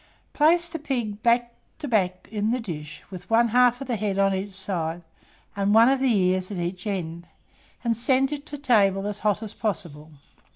Place the pig back to back in the dish, with one half of the head on each side, and one of the ears at each end, and send it to table as hot as possible.